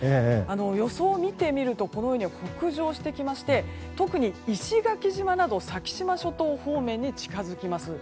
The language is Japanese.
予想を見てみるとこのように北上してきまして特に石垣島など先島諸島方面に近づきます。